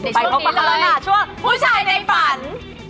ในช่วงนี้เลยช่วงผู้ชายในฝัน